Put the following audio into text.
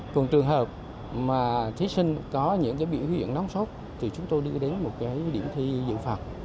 còn trường hợp mà thí sinh có những cái bị huyện non sốt thì chúng tôi đưa đến một cái điểm thi dự phạm